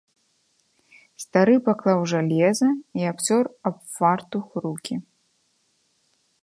Стары паклаў жалеза і абцёр аб фартух рукі.